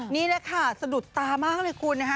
นี่แหละค่ะสะดุดตามากเลยคุณนะคะ